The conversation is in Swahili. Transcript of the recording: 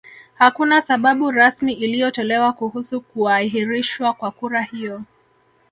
Hakuna sababu rasmi iliyotolewa kuhusu kuahirishwa kwa kura hiyo